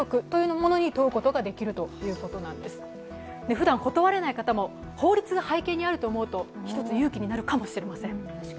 ふだん断れない方も法律が背景にあると思うと１つ、勇気になるかもしれません。